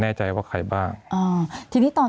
มีความรู้สึกว่ามีความรู้สึกว่า